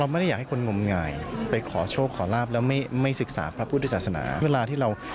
ไม่เมื่อการสบายที